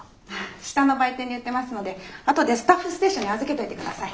下の売店で売ってますのであとでスタッフステーションに預けといて下さい。